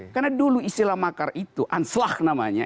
karena dulu istilah makar itu anslag namanya